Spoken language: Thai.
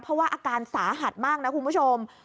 เพราะว่าอาการสาหัสมากนะคุณผู้ชม